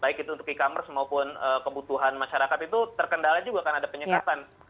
baik itu untuk e commerce maupun kebutuhan masyarakat itu terkendala juga karena ada penyekatan